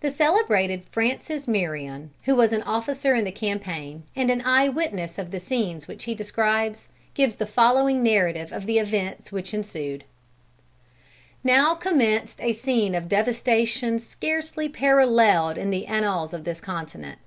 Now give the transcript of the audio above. The celebrated Francis Marion, who was an officer in the campaign, and an eye witness of the scenes which he describes, gives the following narrative of the events which ensued: "Now commenced a scene of devastation scarcely paralleled in the annals of this continent.